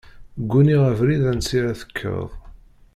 Gguniɣ abrid ansi ara d-tekkeḍ.